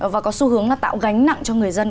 và có xu hướng là tạo gánh nặng cho người dân